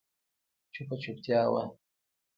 چوپه چوپتیا وه.